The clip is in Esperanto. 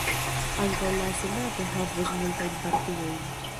Ankaŭ la Senato havos multajn partiojn.